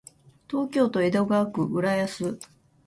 東京都江戸川区浦安